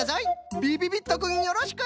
びびびっとくんよろしく！